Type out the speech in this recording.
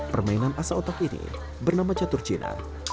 permainan asa otak ini bernama catur cina